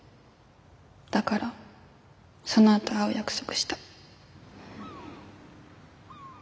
だからそのあと会う約束した。